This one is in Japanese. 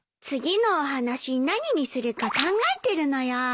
次のお話何にするか考えてるのよ。